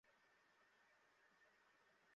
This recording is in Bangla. যেখানে যা খুশি বলে দেয়।